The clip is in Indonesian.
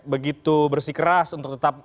begitu bersih keras untuk tetap